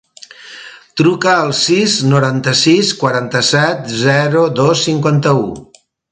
Truca al sis, noranta-sis, quaranta-set, zero, dos, cinquanta-u.